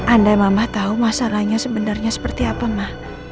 andai mama tau masalahnya sebenarnya seperti apa ma